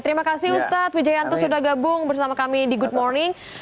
terima kasih ustadz wijayanto sudah gabung bersama kami di good morning